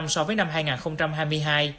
so với năm hai nghìn hai mươi hai